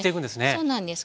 そうなんです。